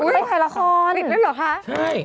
ไม่พยายามถ่ายละครคุณปิดเล็บเหรอคะใช่มั่ย